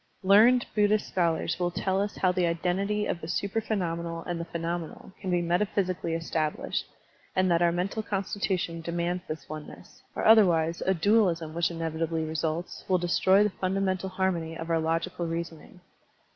Learned Buddhist scholars will tell us how the identity of the supra phenomenal and the phenomenal can be meta physically established, and that our mental con stitution demands this oneness, or, otherwise, a dualism, which inevitably results, will destroy the fundamental harmony of our logical reason ing.